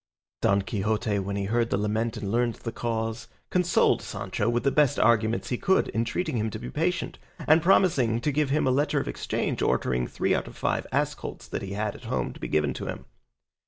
Don Quixote, when he heard the lament and learned the cause, consoled Sancho with the best arguments he could, entreating him to be patient, and promising to give him a letter of exchange ordering three out of five ass colts that he had at home to be given to him.